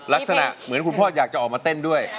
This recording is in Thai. ลักษณะเหมือนคุณพ่ออยากจะออกมาเต้นด้วย